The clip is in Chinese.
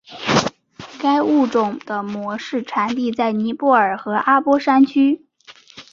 该物种的模式产地在尼泊尔和阿波山区。